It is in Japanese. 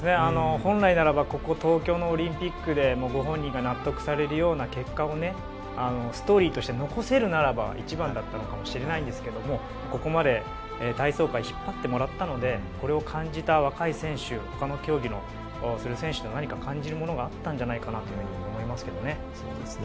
本来ならばここ東京のオリンピックでご本人が納得されるような結果を残せるならストーリーとして一番だったのかもしれませんけどここまで体操界を引っ張ってもらったのでこれを感じた若い選手ほかの競技の選手感じるものがあったんじゃないかと思いますけどね。